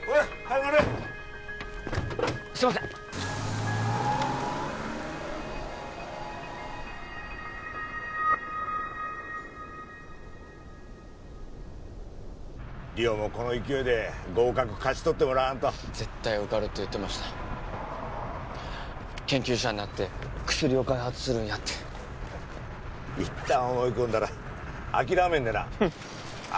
乗れすいません梨央もこの勢いで合格勝ち取ってもらわんと絶対受かると言ってました研究者になって薬を開発するんやって一旦思い込んだら諦めんでなあ